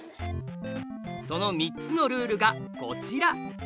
その３つのルールがこちら！